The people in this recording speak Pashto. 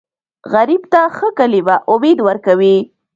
غریب ته ښه کلمه امید ورکوي